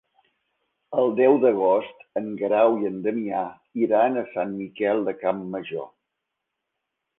El deu d'agost en Guerau i en Damià iran a Sant Miquel de Campmajor.